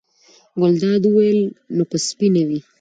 ګلداد وویل: نو که سپی نه وي.